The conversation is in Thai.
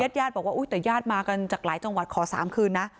ญาติญาติบอกว่าอุ๊ยแต่ญาติมากันจากหลายจังหวัดขอสามคืนนะ